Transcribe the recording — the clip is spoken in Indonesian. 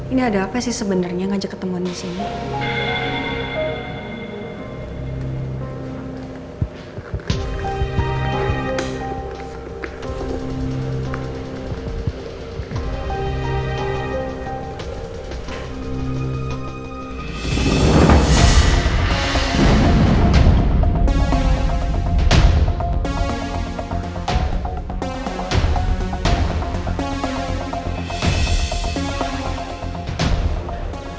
ini ada apa sih sebenarnya ngajak ketemu di sini